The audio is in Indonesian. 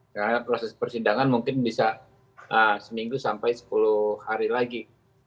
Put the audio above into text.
karena proses persidangan mungkin bisa seminggu sampai sepuluh hari lagi